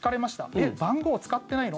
えっ、番号使ってないの？